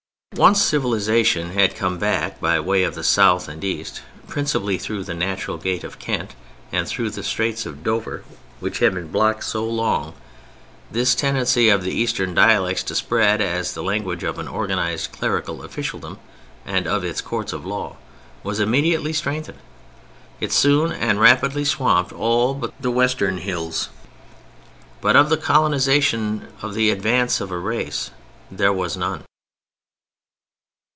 Once civilization had come back by way of the South and East, principally through the natural gate of Kent and through the Straits of Dover which had been blocked so long, this tendency of the Eastern dialects to spread as the language of an organized clerical officialdom and of its courts of law, was immediately strengthened. It soon and rapidly swamped all but the western hills. But of colonization, of the advance of a race, there was none.